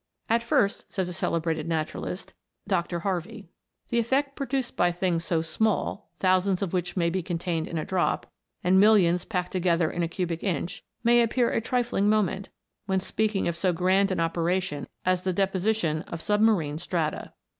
" At first," says a celebrated naturalist, " the effect produced by things so small thousands of which might be contained in a drop, and millions packed together in a cubic inch may appear of trifling moment, when speaking of so grand an operation as the deposition of submarine strata.